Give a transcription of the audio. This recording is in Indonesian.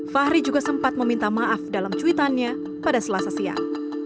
fahri juga sempat meminta maaf dalam cuitannya pada selasa siang